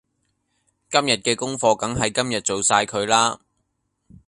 今日嘅功課梗係今日做晒佢啦